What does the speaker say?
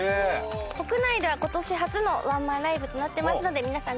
国内では今年初のワンマンライブとなってますので皆さん